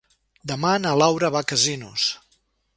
Demà na Laura va a Casinos.